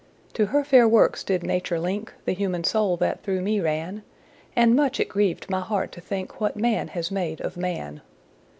To her fair works did Nature link The human soul that through me ran; And much it grieved my heart to think What man has made of man.